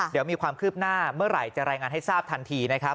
เดี๋ยวมีความคืบหน้าเมื่อไหร่จะรายงานให้ทราบทันทีนะครับ